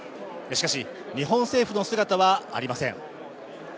しかし、日本政府の姿はありません